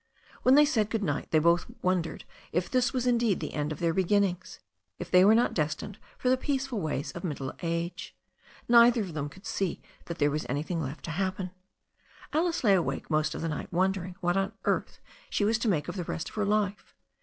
When they said good night they both wondered if this was indeed the end of their beginnings, if they were not destined for the peaceful ways of middle age. Neither of them could see that there was anything left to happen. Alice lay awake most of that night wondering what on earth she was to make of the rest of her life.